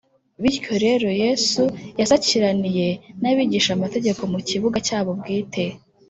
bityo rero, yesu yasakiraniye n’abigishamategeko mu kibuga cyabo bwite